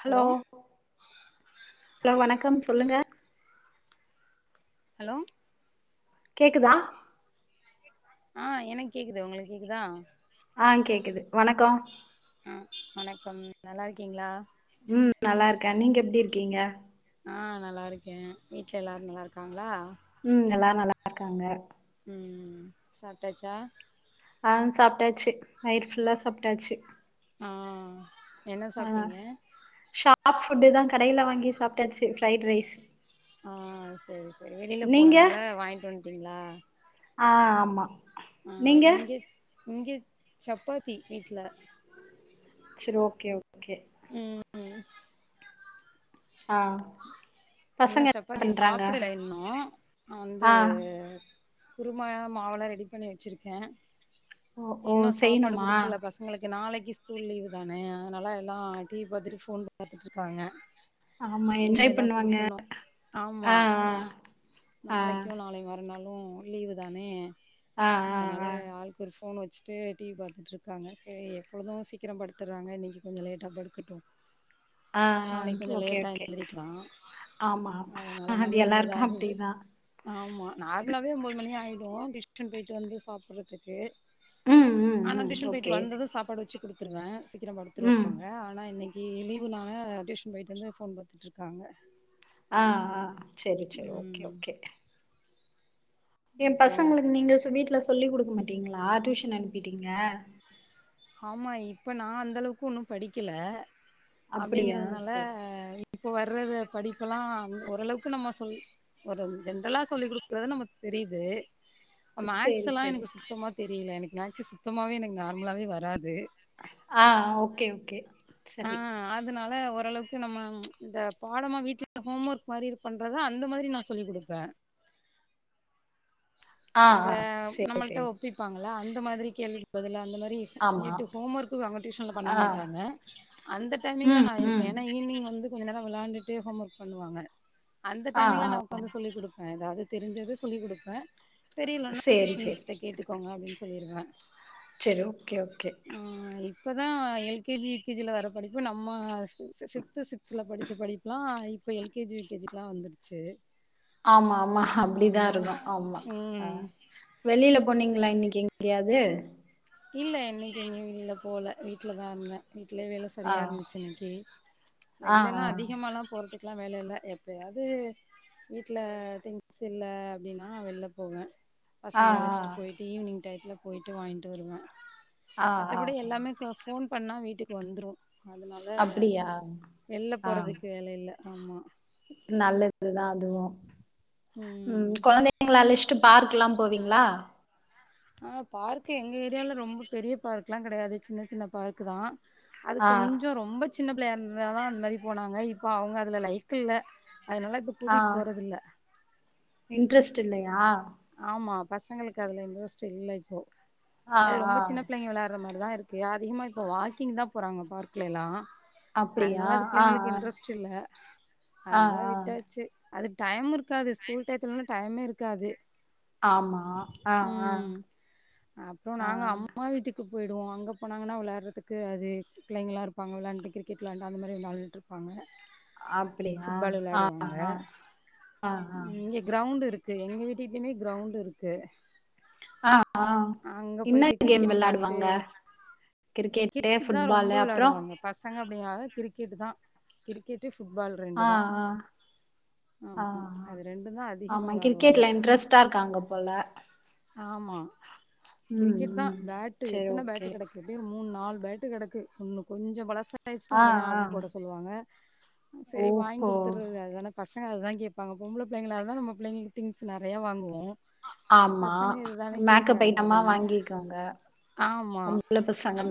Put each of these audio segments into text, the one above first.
Hello hello வணக்கம் சொல்லுங்க hello கேக்குதா ஆ எனக் கேக்குது உங்களுக் கேக்குதா ஆ கேக்குது வணக்கோ ஆ வணக்கம் நல்லா இருக்கீங்ளா ம் நல்லா இருக்கே நீங்க எப்டி இருக்கீங்க ஆ நல்லா இருக்கே வீட்ல எல்லாரு நல்லா இருக்காங்ளா ம் எல்லாரு நல்லா இருக்காங்க ம் சாப்டாச்சா ஆ சாப்ட்டாச்சு வயிர் ஃபுல்லா சாப்ட்டாச்சி ஆ என்ன ஆ சாப்ட்டீங்க ஷாப் ஃபுட்டுதா கடையில வாங்கி சாப்ட்டாச்சி ப்ரைட் ரைஸ் ஆ சேரி சேரி வெளியில நீங்க போனதுனால வாய்ன்ட்டு வன்ட்டீங்ளா ஆ ஆமா ஆ நீங்க இங்கே இங்கே சப்பாத்தி வீட்ல செரி ஓகே ஓகே ம் ம் ஆ இன்னு பசங்க என்ன சப்பாத்தி பண்றாங்க சாப்பிடல இன்னு வந்து ஆ குருமா மாவெல்லா ரெடி பண்ணி வச்சிருக்கே ஓ ஓ இன்னு சாப்பாடு செய்யணுமா குடுக்கல பஸ் சங்களுக்கு நாளைக்கு ஸ்கூல் லீவு தான அதனால எல்லா டிவி பாத்துட்டு ஃபோன் பாத்துட்ருக்காங்க ஆமா என்ஜாய் பண்ணு குடுக்கனு ஆமா ஆ நாளைக்கு ஆ நாளை மறுநாள் றோ லீவுதானே ஆ அதனால ஆ ஆ ஆளு க்கு ஒரு ஃபோன் வச்சுட்டு டிவி பாத்துட்ருக்காங்க செரி எப்பொழுது சீக்கிரம் படுத்துற்றாங்க இன்னைக்கி கொஞ்சோ லேட்டா படுக்கட்டு ஆ நாளைக் கொஞ்ச ஓகே, லேட்டா ஓகே. எந்திரிக்லா ஆமா. அதனால அது மணி எல்லாருக்கும் ஒம்போதாகுது அப்படிதான். ஆமா நார்மலாவே ஒம்போது மணி ஆய்டு டியூசன் போய்ட்டு வந்து சாப்புறதுக்கு ம், ம், ஆனா ம். டியூசன் போய்ட்டு ஓகே. வந்தது சாப்பாடு வச்சு குடுத்துருவே சீக்கிர ம். படுத்துருவாங்க ஆனா இன்னைக் கி லீவுனால டியூஷன் போய்ட்டு வந்து ஃபோன் பாத்துட்ருக்காங்க ஆ ஆ செரி செரி ஓகே ம் ஓகே ஏ அப்புறம் பசங்களுக்கு நீங்க சொ வீட்ல சொல்லி குடுக்க மாட்டீங்ளா டியூஷனு அனுப்பிட்டீங்க ஆமா இப்ப நா அந்த அளவுக்கு ஒன்னு படிக்கல அப்படியா? அப்டிங்கறதுனால சரி. இப்ப வர்றது படிப்பெல்லா ஓரளவுக்கு நம்ம சொல்லி ஒரு ஜென்ரலா சொல்லி் குடுக்குறது நமக் தெரியுது அ மேக்ஸ் சரி, எல்லா சரி. எனக்கு சுத்தமா தெரியல எனக்கு மேக்ஸ் சுத்தமாவே எனக்கு நார்மலாவே வராது ஆ ஓகே ஓகே ஆ செரி அதனால ஓரளவுக்கு நம்ம இந்த பாடமா வீட்ல ஹோம் ஒர்க் மாரி பண்றதா அந்த மாரி நா சொல்லி குடுப்பே ஆ, அந்த ஆ. சரி, நம்மள்ட்ட சரி. ஒப்பிப்பாங்கள அந்த மாதிரி கேள்வி பதில அந்த மாரி ஆமா. வீட்டு ஹோம் ஒர்க்கு அங்க டியூஷன்ல பண்ண ஆ. மாட்டாங்க அந்த டைமிங்ல ம், நா இருப்பே ம். ஏனா ஈவினிங் வந்து கொஞ்ச நேர வெளயாண்டிட்டு ஹோம் ஒர்க் பண்ணுவாங்க அந்த ஆ, டைம்மிங்ல ஆ. நமக் உக்காந்து சொல்லி குடுப்பே ஏதாவது தெரிஞ்சது சொல்லி குடுப்பே தெரியலன்னா சரி, டியூஷன் சரி. மிஸ்ட்ட கேட்டுக்கோங்க அப்டின்னு சொல்லிருவே சரி. Okay, okay. ம் இப்பதா L K G U K G யில வர படிப்பு நம்ம ஃபிப்து சிக்ஸ்துல படிச்ச படிப்ல்லா இப்ப L K G U K ஜிக்ல்லா வந்துடுச்சு ஆமா ஆமா அப்டிதா இருக்கு ஆமா ஆ. ம் வெளியில போனீங்ளா இன்னைக்கி எங்காது இல்ல இன்னைக்கி எங்கயு வெளிய போல வீட்லதா இருந்த வீட்லேயே வேல சென் ஆ செரியா இருந்துச்சு இன்னைக்கி ஆ வெளியிலல்லா ஆ அதிகமாலா போறதுக் ட்ல்லா வேல இல்ல எப்பயாது வீட்ல திங்ஸ் இல்ல அப்டின்னா வெள்ல போவே ஆ பசங்கள அழச்சிட்டு போயிட்டு ஈவினிங் டயத்துல போயிட்டு வாங்கிட்டு வருவே ஆ ஆ ஆ. மத்தபடி எல்லாமே கோ ஃபோன் பண்ணா வீட்டுக்கு வந்ரு அதனால அப்படியா வெள்ல போறதுக்கு வேல இல்ல ஆமா நல்லதுதா அதுவு ம் கொழந்தைங்கள அழச்ட்டு பார்க்ல்லா போவீங்ளா ஆ பார்க எங்க ஏரியால ரொம்ப பெரிய பார்க்ல்லா கெடையாது சின்ன சின்ன பார்க்தா அது ஆ கொஞ்சோ ரொம்பப் சின்ன பிள்ளையா இருந்ததா அந்த மாரி போனாங்க இப்ப அவுங்க அதுல லைஃக் இல்ல அதனால இப்ப ஆ கூட்டிட் போறதில்ல இன்ட்ரெஸ்ட் இல்லையா ஆமா பசங்களுக்கு அதுல இன்ட்ரெஸ்ட் இல்ல இப்போ ஆ அது ரொம்ப ஆ சின்ன பிள்ளைங்க வெளாட் சொல்ற மாரிதா இருக்கு அதிகமா இப்ப வாக்கிங்தா போறாங்க பார்க்கலல்லா அப்படியா அதனால அது ஆ பிள்ளைங்களுக்கு இன்ட்ரெஸ்ட் இல்ல ஆ ஆ அதனால ஆ விட்டாச்சு அது டைம் இருக்காது ஸ்கூல்ட்டைத்துலா டைம்மே இருக்காது ஆமா ஆ ஆ ம் அப்றோ ஆ நாங்க அம்மா வீட்டுக் க்கு போயிடுவோ அங்க போனாங்கன்னா வெளாயாட்றதுக்கு அது பிள்ளைங்களா இருப்பாங்க வெளாண்ட்டு கிரிக்கெட் விளாண்ட்டு அந்த மாரி வெளாண்ட்டுட்டு இருப்பாங்க அப்படியா ஃபுட் பால் ஆ விளாடுவாங்க ஆ ஆ ஆ இங்கக் கிரௌண்ட்டு இருக்கு எங்க வீட்டுக்கிட்டயுமே கிரௌண்ட்டு இருக்கு ஆ ஆ அங்க என்ன போயிட்டு கேம் கிரிக்கெட் விளாண்ட்டு வெளாடுவாங்க கிரிக்கெட்டு கிரிக்கெட் தா ரொம்ப ஃபுட்பாலு அப்றோ வெளாடுவாங்க பசங்க அப்டினாவே கிரிக்கெட் தா கிரிக்கெட்டு ஃபுட்பால் ரெண்டு ஆ தா ஆ ஆ ஆ ஆமா அது ரெண்டுந்தா அதிகமா விளாடுவாங்க ட்டா இருக்காங்க போல ஆமா ம் கிரிக்கெட்தா ம் பேட்டு செரி எத்தன ஓகே பேட்டு கெடைக் எப்டியு மூணு நாலு பேட்டு கெடக்கு இன்னு கொஞ்சோ பழசாயிடுச்சுன்னா ஆ உடனே ஆ ஆர்டர் போட சொல்லுவாங்க சேரி வாங்கி ஓஹோ குடுத்துறது அதனே பசங்க அத கேப்பாங்க பொம்பள பிள்ளைங்களா இருந்தா நம்ம பிள்ளைங்களுக்கு திங்ஸ் நெறையா வாங்கு ஏ ஆமா பசங்க இதுதான மேக்கப் கேக்குறாங்க ஐட்டமா அப்டின்ன வாங்கிக்கோங்க ஆமா பொம்பள பசங்க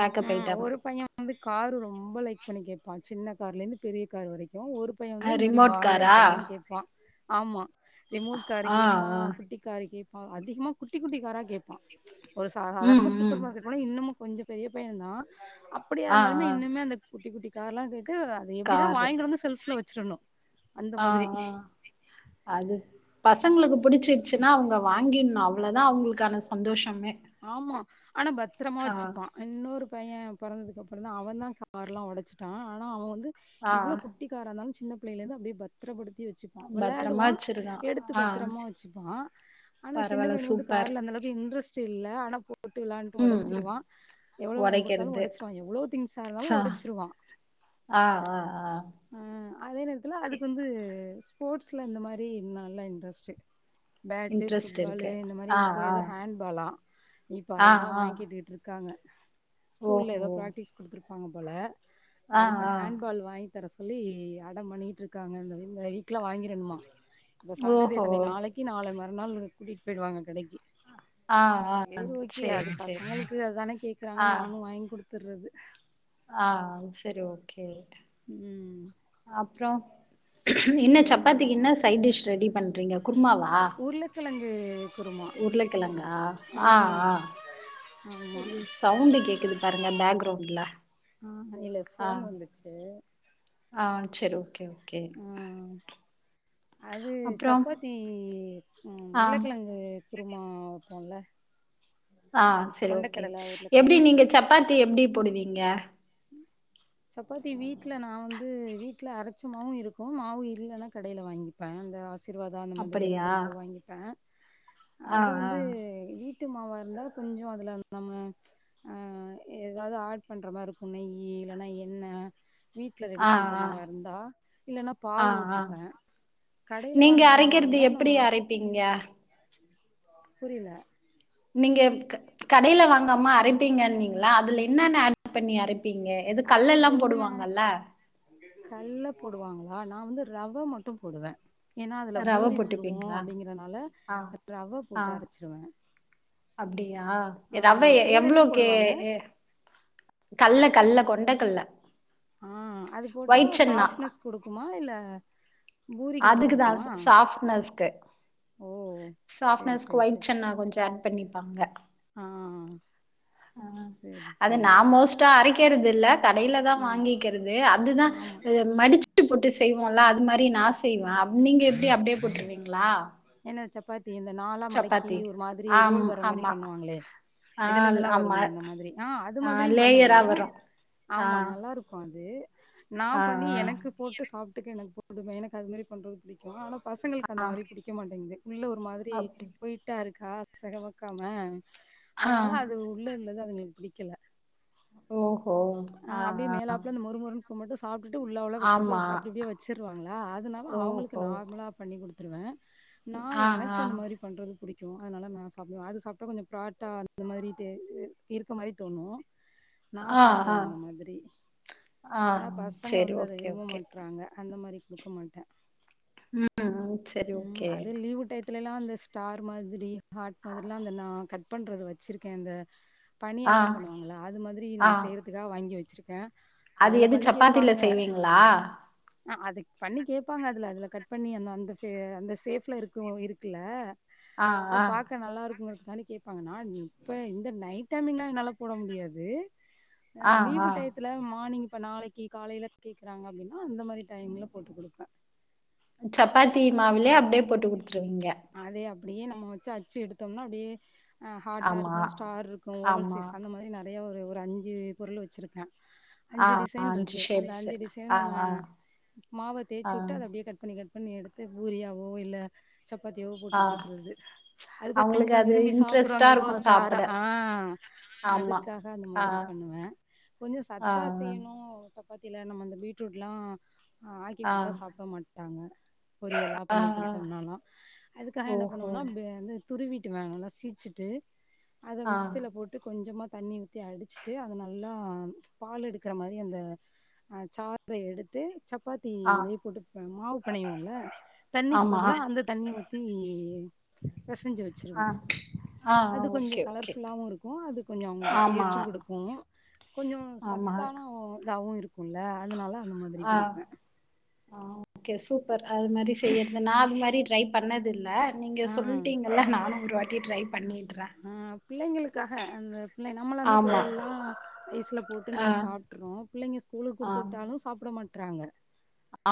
மேக்கப் ம் ஐட்டம் ஒரு பைய வந்து கார் ரொம்ப லைக் பண்ணி கேப்பா சின்ன கார்ல இருந்து பெரிய கார் வரைக்கு ஒரு பைய அ வந்து இந்த மாரி ரிமோட் பால் காரா ஐட்டோதா கேப்பா ஆமா ரிமோட் காரு ஆ கேப் ஆ குட்டி காரு கேப்பா அதிகமா குட்டி குட்டி காரா கேப்பா ஒரு ம் சதாரணமா ம் சூப்பர் மார்க்கெட் போனா இன்னமு கொஞ்சோ பெரிய பையன்தா அப்டியா ஆ இருந்தாலுமே ஆ இன்னுமே அந்த குட்டி குட்டி கார் எல்லா கேட்டு அது எப்டினா காரு வாங்கிட்டு வந்து செல்ஃப்ல வச்சிருணு ஆ ஆ அது பசங்களுக்கு புடிச்சிருச்சுன்னா அவுங்க வாங்கின்னு அவ்ளோதா அவுங்களுக்கான சந்தோஷமே ஆமா ஆனா பத்ரமா ஆ வச்சுப்பா இன்னொரு பைய பிறந்ததுக்கு அப்றோ அவன்தா கார்ல்லா ஒடச்சிட்டா ஆனா அவன் வந்து ஆ இவ்ளோ குட் குட்டி காரா இருந்தாலு சின்ன பிள்ளையிருந்து அப்டியே பத் பத்திரப்படுத்தி வச்சுப்பா பத்திரமா விளயாடுவா வச்சிருக்கான் எடுத்து ஆ பத்திரமா வச்சுப்பா ஆனா சின்ன பரவாயில்ல பையனுக்கு வந்து சூப்பர் கார்ல அந்த அளவுக்கு இன்ட்ரெஸ்ட் இல்ல ஆனா போட்டு விளாண்ட்டு ம் ம் ஒடச்சிடுவா எவ்ளோ வாங்கி குடுத்தாலு உடைக்கிறது ஒடச்சுிருவான் எவ்ளோ திங்ஸ்சா இருந்தாலு சா ஒடச்சிருவா ஆ ஆ ஆ ஆ அதே நேரத்துல அதுக்கு வந்து ஸ்போர்ட்ஸ்ல இந்த மாரி நல்லா இன்ட்ரெஸ்ட் பேட்டு இன்ட்ரெஸ்ட் ஃபுட்பாலு இருக்கு இந்த மாரி ஆ இப்போ ஆ எதோ ஹேண் பாலா இப்ப ஆ அதுதா ஆ வாங்கிட்டுட்டு இருக்காங்க ஸ்கூல்ல ஓஹோ ஏதோ பிராக்டிஸ் குடுத்துருப்ப பாங்க போல ஆ அது இப்ப ஆ ஹேண் பால் வாங் தர சொல்லி அடம் பண்ணிட் இருக்காங்க இந்த இந்த வீக்கல வாங்கிருணுமா இப்ப சாட்டர்டே ஓஹோ சண்டே நாளைக்கு நாளை மறுநாள் கூட்டிட்டு போயிடுவாங்க கடைக்கு ஆ ஆ சேரி ஓகே சரி அது சரி பசங்களுக்கு அது தானே கேக்குறாங்க ஆ நானு வாங்கி குடுத்துறது ஆ சேரி ஓகே ம் அப்றோ என்ன சப்பாத்திக்கு ஆ என்ன சைடிஸ் ரெடி பண்றீங்க குருமாவா உருளகிழங்கு குருமா உருளைக்கிழங்கா ஆ ஆமா சவுண்டு கேக்குது பாருங்க பேக்ரவுண்ட்ல ஆ இல்ல ஆ ஃபோன் வந்துச்சு ஆ சேரி ஓகே ஓகே ஆ அது அப்றோ சப்பாத்தி உ ஆ உருளக்கிழங்கு குருமா வைப்போல்ல ஆ சரி ஓகே எப்டி உருளைக்கிழங்கு நீங்க போட்டு சப்பாத்தி எப்டி போடுவீங்க [unintelligible] சப்பாத்தி வீட்ல நா வந்து வீட்ல அரச்ச மாவு இருக்கு மாவு இல்லன்னா கடையில வாங்கிப்பே அந்த ஆசி ர்வாதா அந்த மாரி எதாவுது அப்படியா மாவு வாங்கிப்பே ஆ அது ஆ வந்து வீட் ட்டு மாவ இருந்தா கொஞ்சோ அதுல நம்ம எதாவுது ஆட் பண்ற மாரிக் நெய்யி இல்லனா எண்ண வீட் ல ரெடி ஆ பண்ற ஆ மாவா இருந்தா இல்லன்னா ஆ பால் ஆ ஊத்திப்பே கடையில வாங்குற மாவா இருந்தா நம்ம திங்கா புரில நீங்க கடையில வாங்காம அரைப்பீங்கன்னீங்களா அதுல என்னா என்ன ஆட் பண்ணி அரைப்பீங்க எது அது கல்லெல்லா கோதும போடுவாங்கல்ல கல்ல போடுவாங்களா நா வந்து ரவ மட்டு போடுவ ஏனா அதுல ரவ பூரி சுடுவோ போட்டுப்பீங்களா? அப்டிங்கறனால ஆ. ரவ ஆ போட்டு அரச்சிடுவ அப்டியா எ ரவ வேற என்ன எவ்ளோக்கே போடுவாங்க ஏ கல்ல கல்ல கொண்ட கட்ல ஆ அது போட்டா சாஃப்ட்னஸ் குடுக்குமா இல்ல பூரிக்கு நல்லா அதுக்குதா இருக்குமா சாஃப்ட்னஸ்க்கு ஓ செரி சாஃப்ட்னஸ்க்கு செரி ஒய்ட் செரி சன்னா கொஞ்ச ஆட் பண்ணிப்பாங்க ஆ ஆ சேர் அது நா மோஸ்டா அரைக்கறதில்ல கடைல தா ஆ வாங்கிக்கிறது அதுதா ஆமா அ மடிச்சு ட்டு போட்டு செய்வோல அது மாரி நா செய்வே நீங்க எப்டி அப்டியே போட்ருவீங்களா என்ன சப்பாத்தி இந்த நாலா மடக்கி சப்பாத்தி ஒரு மாதிரி ஆம் ரோல் வர மாரி ஆமா பண்ணுவாங்களே ஆ இதழ் இதழா ஆமா வருமே அந்த மாதிரி ஆ அது மாதிரியு பண்ணுவே லேயரா வரு ஆ ஆமா நல்லாருக்கு அது நா ஆ பண்ணி ஆ எனக்கு போட்டு சாப்ட்டுக்க எனக்கு போடுவே எனக்கு அது மாரி பண்றது புடிக் கு ஆனா பசங்களுக்கு ஆ அந்த மாரி புடிக்க மாட்டேங்குது உள்ள ஒரு மாதிரி அப்டி ஓயிட்டா இருக்கா செகவக்காம ஆ அதனால அது உள்ள உள்ளது அதுங்களுக்கு புடிக்கல ஓஹோ அ ஆ அப்டியே மேலாப்ல அந்த மொறுமொறுன்ப்ப மட்டு சாப்ட்டுட்டு உள்ள உள்ள [inaudible] அப்டி ஆமா அப்டியே வச்சிருவாங்களா அதுனால அவங்களுக் கு ஓஹோ நார்மலா பண்ணி குடுத்துருவே நா ஆ எனக்கு ஆ அந்த மாரி பண்றது புடிக்கு அதனால நா சாப்டுவே அது சாப்ட்டா கொஞ்ச ப்ராட்டா இந்த மாரி தே இ இருக்க மாரி தோணு நா ஆ ஆ சாப்டுவே அந்த மாதிரி ஆ ஆனா பசங்க சேரி வந்து அத ஓகே விரும்ப ஓகே மாட் றாங்க அந்த மாரி குடுக்க மாட்டே ம் ம் சேரி ம் ஓகே அது லீவு டைத் த்துலலா அந்த ஸ்டார் மாதிரி ஹாட் மாதிரிலா அந்த நா கட் பண்றது வச்சிருக்கே அந்த பணியாலா ஆ பண்ணுவாங்கள அது மாதிரி நா ஆ செய்யறத்துக்காக வாங்கி வச்சிருக்கே அது அதுல எது பண்ணி சப்பாத்தில கேப்பாங்க செய்வீங்களா அ அதுக் பண்ணி கேப்பாங்க அதுல அதுல கட் பண்ணி அந்த அந்த ஃபே அந்த சேஃப்ல இருக்கு இருக்குல்ல ஆ அது ஆ பாக்க நல்லா இருக்குங்கிறதுக்காண்டி கேப்பாங்க நா இப்ப இந்த நைட் டைமிங்லா என்னால போட முடியாது அ ஆ லீவு ஆ டைத் த்துல மார்னிங் இப்ப நாளைக்கு காலைல கேக்குறாங்க அப்டினா அந்த மாரி டைம்ல போட்டு குடுப்பே ம் சப்பாத்தி மாவுலே அப்டியே போட்டு குடுத்துருவீங்க அதே அப்டியே நம்ம வச்சு அச்சு எடுத்தம்னா அப்டியே ஆ ஹாட்டா ஆமா இருக்கு ஸ்டார் இருக்கு ஓவல் ஆமா சைஸ் அந்த மாரி நெறையா ஒரு ஒரு அஞ்சு பொருளு வச்சுருக்கே ஆ அஞ்சு ஆ டிசைன் அஞ்சு இருக்கு அந்த ஷேப்ஸு அஞ்சு டிசைன ஆ நம்ம ஆ மாவ ஆ தேச்சுட்டு அத அப்டியே கட் பண்ணி கட் பண்ணி எடுத்து பூரியாவோ இல்ல சப்பாத்தியாவோ போட்டு ஆ குடுக்குறது அது அவங்களுக்கு கொஞ்ச அது விரும்பி சாப்புடுவாங்க இன்ட்ரெஸ்ட்டா எதோ இருக்கு ஸ்டாரா சாப்பட ஆ ஆமா அதுக்காக அந்த ஆ மாதிரி பண்ணுவே கொஞ்ச ஆ சத்தா செய்யணு சப்பாத்தில நம்ம அந்த பீட்ரூட்லா ஆ ஆக்கி் குடுத்தா சாப்ட மாட்டாங்க பொரியலா ஆ பண்ணி ஆ குடுத்தம்னாலு அதுக்காக என்ன ஓஹோ பண்ணுவோனா ப வந்து துருவீட்டுவே நல்லா சீச்சுட்டு அத ஆ மிக்சில போட்டு கொஞ்சமா தண்ணி ஊத் தி அடிச்சிட்டு அத நல்லா பால் எடுக்கிற மாரி அந்த அ சார எடுத்து ஆ சப்பாத்திலே போட்டு இப்ப மாவு பெனைவோல தண்ணிக்கு ஆமா பதிலா அந்த தண்ணி ஊத்தி பெசஞ்சு வச்சுருவே ஆ ஆ அது கொஞ்ச ஓகே ஓகே கலர்ஃபுல்லாவு இருக்கு அது கொஞ்சமக்ஷ அவுங்களுக்கு ஆமா டேஸ்ட்டு குடுக் கு கொஞ்ச ஆமா சத்தான இதாவு இருக்குல்ல அதனால அந்த மாதிரி ஆ குடுப்பே ஆ ஓகே சூப்பர் அது மாரி செய்யறது நா அது மாரி ட்ரை பண்ணதில்ல நீங்க ஆ சொல்லிட்டீங்கல்ல நானு ஒருவாட்டி ட்ரை பண்ணி ஆ பிள்ளைங்களுக்காக அந்த பிள்ளை நம்மளாந்தா ஆமா பொரியல்லா ரைஸ்ல போட்டு ஆ நம்ம சாப்ட்டுறோ பிள்ளைங்க ஸ்கூலுக்கு ஆ குடுத்துவுட்டாலு சாப்பட மாட்டறாங்க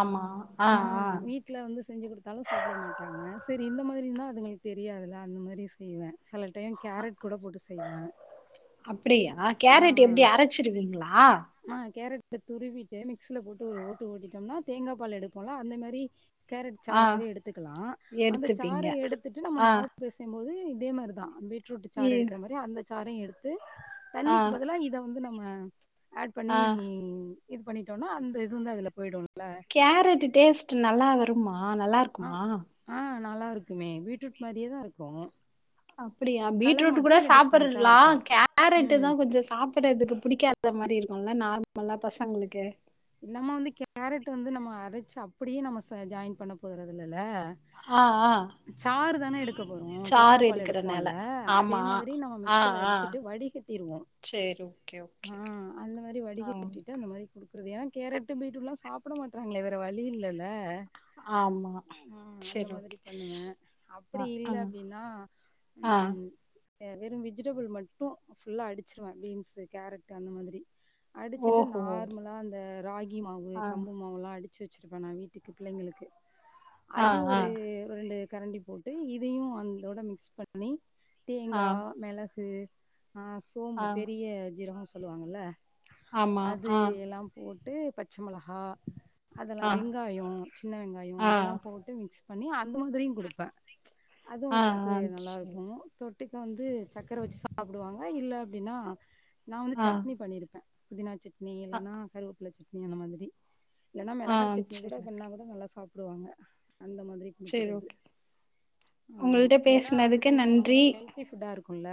ஆமா ஆ ஆ ம் வீட் ட்டில வந்து செஞ்சி குடுத்தாலு சாப்படமாட்டாங்க செரி இந்த மாதிரிந்தா அதுங்களுக்கு தெரியாதல அந்த மாரி செய்வே செல டைம் கேரட் கூட போட்டு செய்வே அப்டியா ஆ கேரட் எப்டி அரச்சிருவீங்களா ஆ கேரட துருவிட்டு மிக்சல போட்டு ஒரு ஓட்டு ஓட்டிட்டம்னா தேங்கா பால் எடுப்போலா அந்த மேரி கேரட் ஆ சாராவே எடுத்துக்கலா அந்த சார எடுத்துப்பீங்க எடுத்துட்டு நம்ம ஆ மாவு பெசையுபோது இதே மாரிதா பீட்ரூட்டு் இ சார் எடுக்கிற மாரி அந்த சாரயு எடுத்து ஆ தண்ணிக்கு பதிலா இத வந்து நம்ம ஆட் பண்ணி ஆ இது பண்ணிட்டோனா அந்த இது வந்து அதுல போயிடுல்ல கேரட்டு் டேஸ்ட்டு நல்லா வரும்மா நல்லா ஆ இருக்குமா ஆ நல்லா இருக்குமே பீட்ரூட் மாரியேதா இருக்கு அப்பிடியா பீட்ரூட் கூட டிஃப்ரெண்ட்டா சாப்பரலா இருக்கும் கேரட்டுதா ம் கொஞ்சோ சாப் ப்பறதுக்கு புடிக்காத மாரி இருக்குல்ல நார்மல்லா பசங்களுக்கு நம்ப வந்து கேரட் வந்து நம்ம அரச்சி அப்டியே நம்ம ச ஜாயின் பண்ண போதறது இல்லல்ல ஆ ஆ சாருதான எடுக் க்க போறோ சாறு தேங்காபால் எடுக்கறனால எடுப்போல்ல அதே ஆமா மாதிரி நம்ம ஆ மிக்சில ஆ அடிச்சிட்டு வடிகட்டிருவோ சேரி ஓகே ஆ ஓகே அந்த மாரி ஆ வடிகட்டிட்டு அந்த மாரி க்கறது ஏ கேரட் பீட்ரூட்ல்லா சாப்படமாற்றாங்களே வேற வழி இல்லல்ல ஆமா ஆ அந்த சேரி மாதிரி ஓகே பண்ணுவே ஆ அப்பிடி ஆ இல்ல அப்டின்னா ஆ எ வெறு வெஜிடபிள் மட்டு ஃபுல்லா அடிச்சிருவே பீன்ஸ் கேரட் அந்த மாதிரி அடிச்சிட்டு ஓஹோ நார்மலா அந்த ராகி மாவு ஆ கம்புமாவுல்லா அடி ச்சி வச்சிருப்பே நா வீட்டுக்கு பிள்ளைங்களுக்கு ஆ அது ஆ ஒரு ரெண்டு கரண்டி போட்டு இதயு அந்தோட மிக்ஸ் பண்ணி ஆ தேங்கா மெளகு ஆ சோம்பு ஆ பெரிய ஜீரகோ சொல்லுவாங்கல ஆமா து ஆ எல்லா போட்டு பச்ச மெளகா அதெல்லா ஆ வெங்காயோ சின்ன வெங்காயோ ஆ அதெல்லா போட்டு மிக்ஸ் பண்ணி அந்த மாதிரியு குடுப்பே அது ஆ ஆ ஓரளவுக்கு நல்லா சேரி இருக்கு தொ ட்டுக்க வந்து சக்கர வச்சி சாப்புடுவாங்க இல்ல அப்டின்னா நா வந்து ஆ சட்னி பண்ணியிருப்பே புதினா சட்னி ஆ இல்லன்னா கருப்பில சட்னி அந்த மாதிரி இல்லன்னா ஆ மெளகா சட்னி கூட சேரி பண்ணா கூட நல்லா சாப்புடுவாங்க அந்த மாதிரி சேரி ம்க்குறது ஓகே ஆமா உங்கள்ட்ட ஏன்னா அது பேசுனதுக்கு கொஞ்சோ நன்றி நம்மளுக்கு ஹெல்த்தி ஃபுட்டா இருக்குல்ல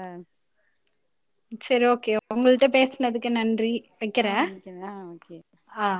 செரி ஓகே உங்கள்ட்ட பேசனதுக்கு நன்றி ஆ வைக்கிறே ஓகே ஆ ஓகே அ